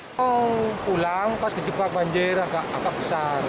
ketika pulang pas terjebak banjir agak besar